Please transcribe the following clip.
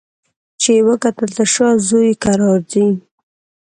چي یې وکتل تر شا زوی یې کرار ځي